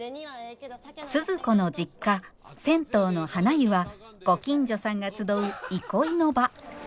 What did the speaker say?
鈴子の実家銭湯のはな湯はご近所さんが集う憩いの場。